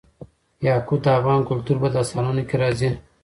یاقوت د افغان کلتور په داستانونو کې راځي.